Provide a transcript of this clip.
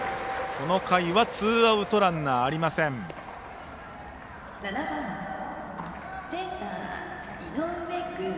この回はツーアウト、ランナーありません。